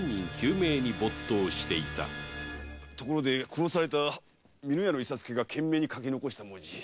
殺された美濃屋の伊左助が懸命に書き残した文字。